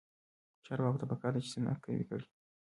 چارواکو ته پکار ده چې، صنعت قوي کړي.